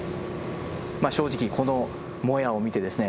まあ正直このモヤを見てですね